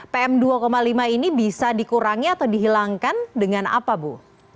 pm dua lima ini bisa dikurangi atau dihilangkan dengan apa bu